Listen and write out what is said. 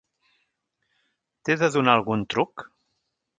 T'he de donar algun truc?